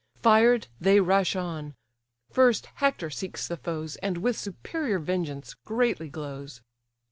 Fired, they rush on; first Hector seeks the foes, And with superior vengeance greatly glows.